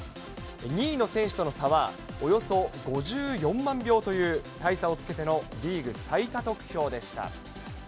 ２位の選手との差はおよそ５４万票という大差をつけてのリーグ最多得票でした。